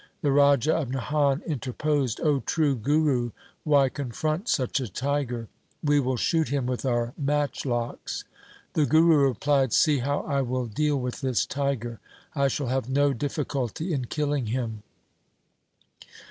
The Raja of Nahan interposed :' O true Guru, why confront such a tiger ? We will shoot him with our matchlocks.' The Guru replied, ' See how I will deal with this tiger. I shall have no difficulty in killing him.'